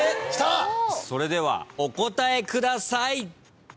それではお答えください。